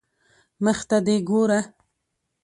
مخ ته دي ګوره